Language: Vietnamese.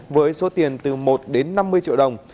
với số tiền từ một đến năm mươi triệu đồng